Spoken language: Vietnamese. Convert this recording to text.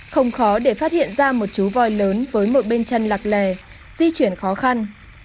không khó để phát hiện ra một chú voi lớn với một bên chân lặp lè di chuyển khó khăn